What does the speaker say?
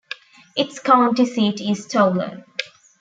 Its county seat is Toulon.